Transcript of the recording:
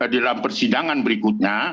dalam persidangan berikutnya